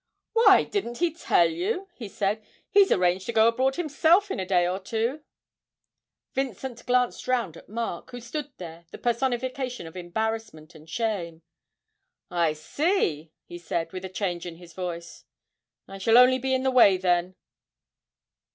'Why, didn't he tell you?' he said; 'he's arranged to go abroad himself in a day or two.' Vincent glanced round at Mark, who stood there the personification of embarrassment and shame. 'I see,' he said, with a change in his voice, 'I shall only be in the way here, then.'